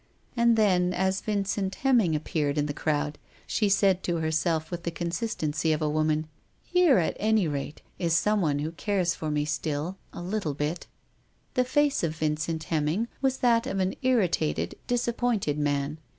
And then, as Vincent Hemming was seen coming up the stair, she said to herself with the inconsistency of a woman, " Here, at any rate is someone who cares for me still — a little bit." The face of Vincent Hemming was that of an irritated, disappointed man.